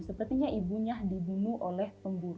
sepertinya ibunya dibunuh oleh pemburu